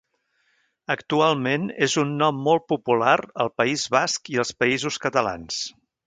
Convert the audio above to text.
Actualment és un nom molt popular al País Basc i als Països Catalans.